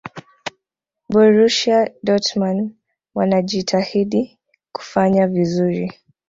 borusia dortmund wanajitahidi kufanya vizuri